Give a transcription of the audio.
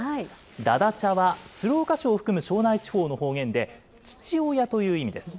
だだちゃは鶴岡市を含む庄内地方の方言で、父親という意味です。